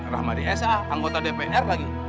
rahmadi esa anggota dpr lagi